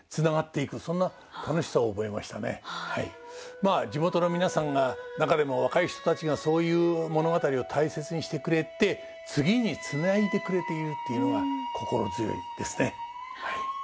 まあ地元の皆さんが中でも若い人たちがそういう物語を大切にしてくれて次につないでくれているっていうのが心強いですねはい。